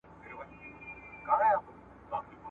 ټول د هغه د علمي مبارزې برخې وې